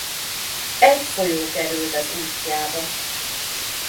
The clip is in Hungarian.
Egy folyó került az útjába.